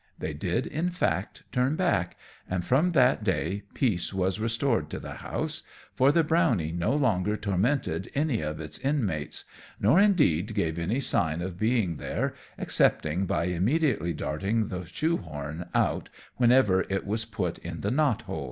They did, in fact, turn back, and from that day peace was restored to the house, for the brownie no longer tormented any of its inmates, nor, indeed, gave any signs of being there, excepting by immediately darting the shoe horn out whenever it was put in the knot hole.